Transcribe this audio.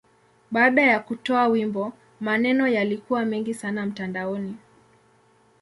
Baada ya kutoa wimbo, maneno yalikuwa mengi sana mtandaoni.